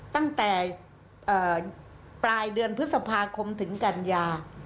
ตั้งแต่ปลายเดือนพฤษภาคมถึงกันยา